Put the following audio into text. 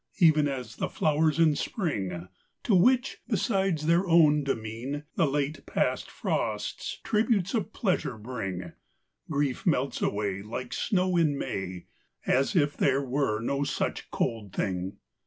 even as the flowers in spring; To which, besides their own demean, The late past frosts tributes of pleasure bring. Grief melts awayLike snow in May, As if there were no such cold thing.